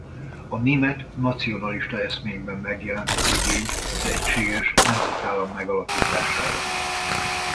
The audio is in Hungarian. A német nacionalista eszmékben megjelent az igény az egységes nemzetállam megalapítására.